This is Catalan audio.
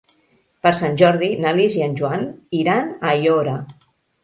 Per Sant Jordi na Lis i en Joan iran a Aiora.